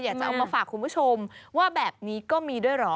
อยากจะเอามาฝากคุณผู้ชมว่าแบบนี้ก็มีด้วยเหรอ